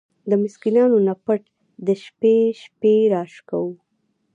د مسکينانو نه پټ د شپې شپې را شکوو!!.